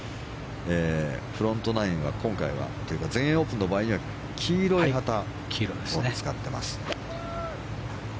フロントナインは今回、全英オープンは黄色い旗を使ってます。